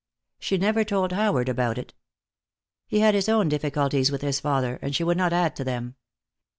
She never told Howard about it. He had his own difficulties with his father, and she would not add to them.